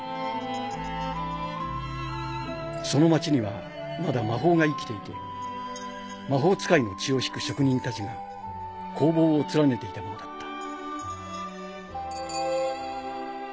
その町にはまだ魔法が生きていて魔法使いの血を引く職人たちが工房を連ねていたものだった。